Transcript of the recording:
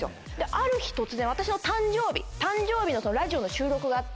ある日突然私の誕生日誕生日のラジオの収録があって。